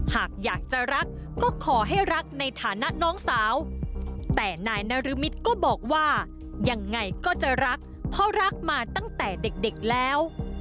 หากอยากจะรักก็ขอให้รักในฐานะน้องสาวแต่นายนรมิตก็บอกว่ายังไงก็จะรักเพราะรักมาตั้งแต่เด็กแล้ว